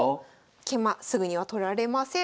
桂馬すぐには取られません。